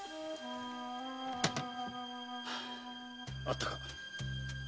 あったか？